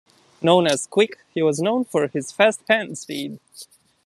Known as "Quick", he was known for his fast hand speed.